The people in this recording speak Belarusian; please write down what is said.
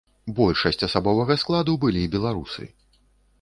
Большасць асабовага складу былі беларусы.